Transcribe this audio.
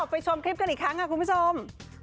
ไปชมคลิปกันอีกครั้งค่ะคุณผู้ชม